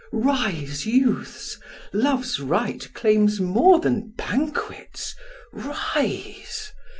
Rise, youths! Love's rite claims more than banquets; rise!